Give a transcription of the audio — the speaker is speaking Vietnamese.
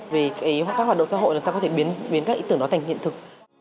về các hoạt động xã hội làm sao có thể biến các ý tưởng đó thành hiện thực